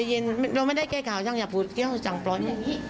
ใจเย็นเราไม่ได้แก้ข่าวช่างอย่างผู้เกี่ยวจังปร้อย